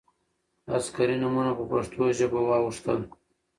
عسکري نومونه په پښتو ژبه واوښتل.